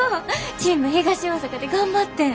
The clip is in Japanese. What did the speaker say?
チーム東大阪で頑張ってん！